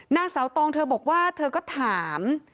นางสาวตองเธอบอกว่าเธอก็ถาม